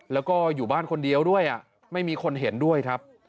แล้วก็อยู่บ้านคนเดียวด้วยไม่มีคนเห็นด้วยครับ